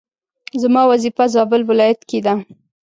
زما وظيفه زابل ولايت کي ده